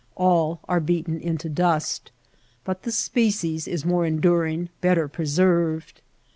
All are beaten into dust. But the species is more enduring, better preserved.